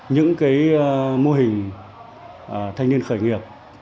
những mô hình thanh niên khởi nghiệp